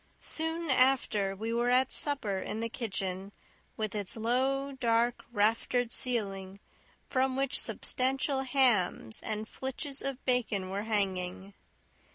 Soon after we were at supper in the kitchen, with its low, dark, raftered ceiling from which substantial hams and flitches of bacon were hanging.